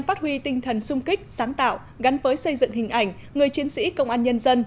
phát huy tinh thần sung kích sáng tạo gắn với xây dựng hình ảnh người chiến sĩ công an nhân dân